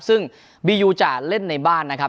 ซึ่งบียูจะเล่นในบ้านนะครับ